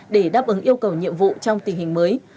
để đáp ứng yêu cầu nhiệm vụ trong tình hình mới